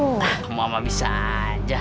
kamu sama bisa aja